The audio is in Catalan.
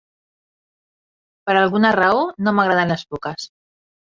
Per alguna raó no m'agraden les foques.